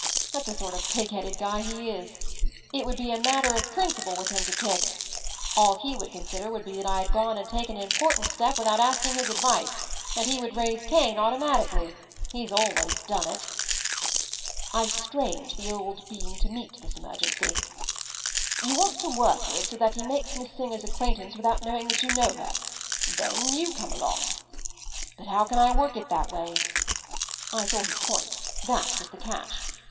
That’s the sort of pig headed guy he is. It would be a matter of principle with him to kick. All he would consider would be that I had gone and taken an important step without asking his advice, and he would raise Cain automatically. He’s always done it.” I strained the old bean to meet this emergency. “You want to work it so that he makes Miss Singer’s acquaintance without knowing that you know her. Then you come along——” “But how can I work it that way?” I saw his point. That was the catch.